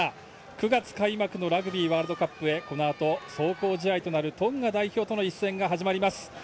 ９月開幕のラグビーワールドカップへこのあと、壮行試合となるトンガ代表との一戦が始まります。